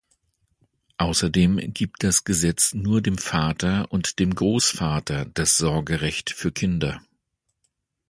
Außerdem gibt das Gesetz nur dem Vater und dem Großvater das Sorgerecht für Kinder.